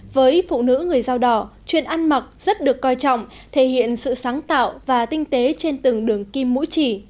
với phụ nữ người dao đỏ chuyện ăn mặc rất được coi trọng thể hiện sự sáng tạo và tinh tế trên từng đường kim mũi chỉ